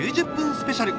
スペシャル